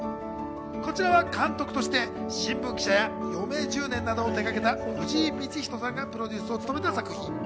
こちらは監督として『新聞記者』や『余命１０年』などを手がけた、藤井道人さんがプロデュースを務めた作品。